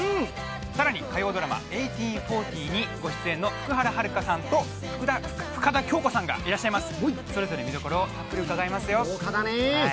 更に、火曜ドラマ「１８／４０ふたりなら夢も恋も」にご出演の福原遥さんと深田恭子さんがいらっしゃいます。